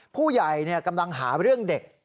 ผู้ใหญ่กำลังหาเรื่องเด็ก